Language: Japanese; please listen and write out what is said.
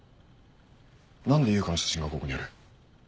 何で悠香の写真がここにある？